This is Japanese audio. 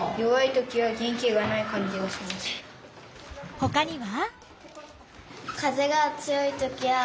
ほかには？